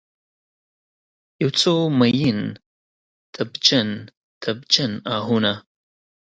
یوڅو میین، تبجن، تبجن آهونه